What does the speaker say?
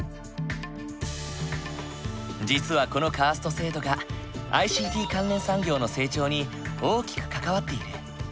実はこのカースト制度がＩＣＴ関連産業の成長に大きく関わっている。